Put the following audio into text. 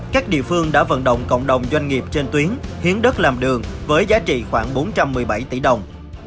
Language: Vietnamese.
các địa phương đã vận động cộng đồng doanh nghiệp trên tuyến hiến đất làm đường với giá trị khoảng bốn trăm một mươi bảy tỷ đồng